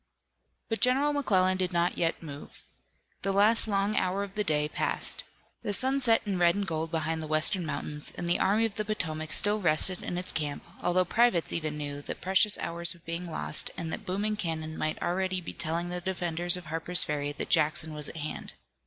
But General McClellan did not yet move. The last long hour of the day passed. The sun set in red and gold behind the western mountains, and the Army of the Potomac still rested in its camp, although privates even knew that precious hours were being lost, and that booming cannon might already be telling the defenders of Harper's Ferry that Jackson was at hand.